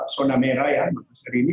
zona merah ya makassar ini